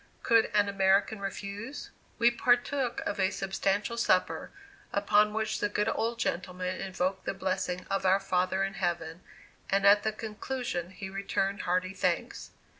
Could an American refuse? We partook of a substantial supper, upon which the good old gentleman invoked the blessing of our Father in Heaven, and at the conclusion he returned hearty thanks.